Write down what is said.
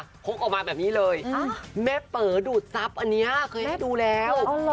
พกออกมาแบบนี้เลยแม่เป๋อดูดทรัพย์อันนี้เคยให้ดูแล้ว